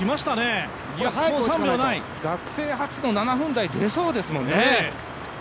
学生初の７分台出そうですもんね。